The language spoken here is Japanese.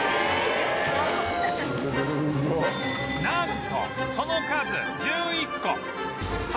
なんとその数１１個！